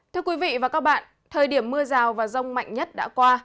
thưa quý vị và các bạn thời điểm mưa rào và rông mạnh nhất đã qua